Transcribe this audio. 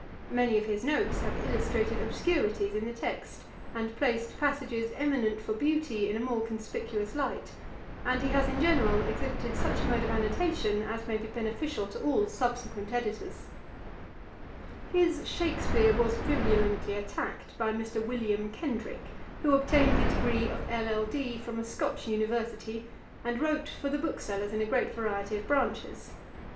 Many of his notes have illustrated obscurities in the text, and placed passages eminent for beauty in a more conspicuous light; and he has in general exhibited such a mode of annotation, as may be beneficial to all subsequent editors. [Page 498: Johnson's attack on Voltaire. A.D. 1785.] His Shakespeare was virulently attacked by Mr. William Kenrick, who obtained the degree of LL.D. from a Scotch University, and wrote for the booksellers in a great variety of branches.